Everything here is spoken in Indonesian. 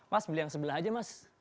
mas beli yang sebelah aja mas